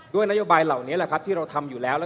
นโยบายเหล่านี้แหละครับที่เราทำอยู่แล้ว